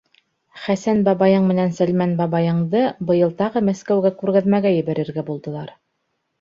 Хәсән бабайың менән Сәлмән бабайыңды быйыл тағы Мәскәүгә күргәҙмәгә ебәрергә булдылар.